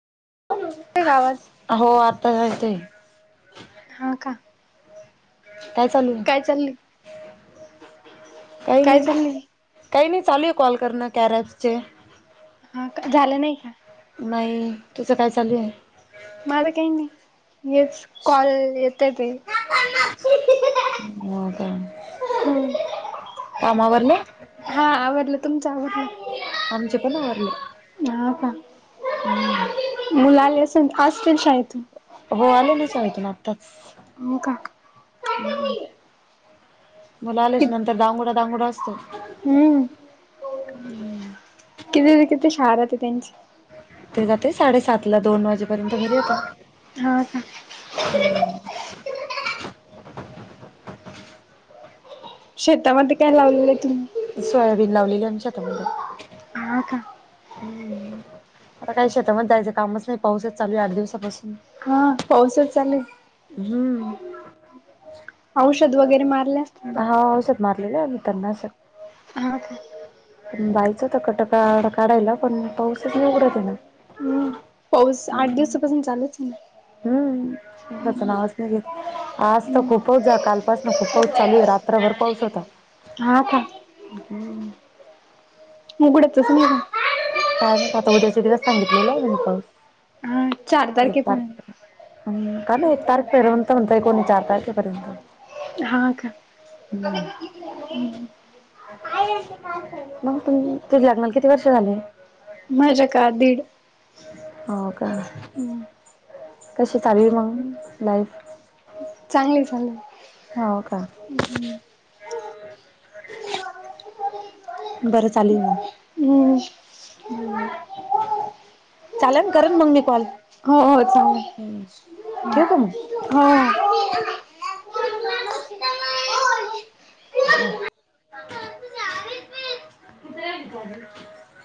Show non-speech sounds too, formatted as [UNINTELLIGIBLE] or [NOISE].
येतोय का आवाज हो आता जायचंय. हा का. काय चालू आहं? काय चाललंय काही काय नाही चाललंय काही नाही चालू आहे कॉल करणं चालू आहे कार्याचे. हा का झालं नाही का? नाही तुझं काय चालू आहे? माझ काही नाही हेच कॉल येत्याती. हो का. हम्. काम आवरले? हा आवरल तुमचं आवरलं? आमचे पण आवरले. हा हा हम्म मुलं आली असतील [INAUDIBLE] शाळेतून? हो आले ना शाळेतून आत्ताच. हो का मुलं कि आल्याच्या नंतर डांगोडा दांगोडा असतो. हम्म किती ते किती शाळा राहते त्यांची? तर साडेसात ला दोन वाजेपर्यंत घरी येतात. हा का. शेतामध्ये काय लावलेलं आहे तुम्ही? सोयाबीन लावलेले आमच्या शेतामध्ये. हा का हम आता काही शेतामध्ये जायचं कामच नाही पाऊसच चालू आहे आठ दिवसापासून. हा पाऊसच चालू आहं. हम्म औषध वगैरे मारले असतील ना. हा पा मारलेले आणि त्यांना असं हा का. बाईचं टकाटका रक्त काढायला पण पाऊसच नाही उघडत आहे ना. हम्म पाऊस आठ दिवसापासून चालूचं आहं. हम्म बस होयाचं नावाचं नाही घेतलं. आज तर हम्म खूपच कालपासनं खूपच पाऊस चालू आहे रात्रभर पाऊस होता. हा का हम्म उघडतंच नाही. काय आणि पातवडाचे दिवस सांगितलेलं पाऊस. धर की फोन. हम् काय माहित [INAUDIBLE] पर्यंत म्हणत कोणी चार तारखेपर्यंत. हो का. मग तुम्ही तुझ्या लग्नाला किती वर्ष झाले? माझे का दीड. हो का कशी चालली मग लाईफ? चांगली चालली. हो का. ह् हम् बरं चालू आहं मग? हम्म. ह्म चालंल करन मग मी कॉल. हो ठेवू का मग हो चालेल हा. हो [UNINTELLIGIBLE]